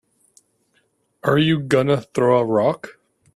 Are you gonna throw a rock?